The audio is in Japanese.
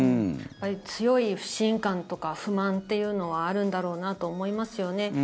強い不信感とか不満というのはあるんだろうなと思いますよね。